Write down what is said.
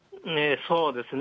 そうですね。